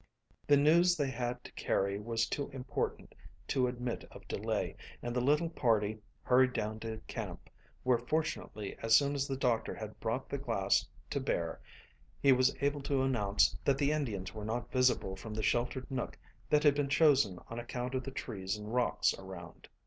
The news they had to carry was too important to admit of delay, and the little party hurried down to camp, where fortunately as soon as the doctor had brought the glass to bear he was able to announce that the Indians were not visible from the sheltered nook that had been chosen on account of the trees and rocks around.